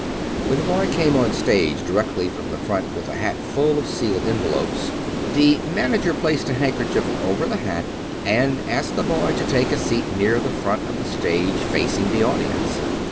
When the boy came on the stage directly from the front with the hat full of sealed envelopes, the manager placed a handkerchief over the hat and asked the boy to take a seat near the front of the stage facing the audience.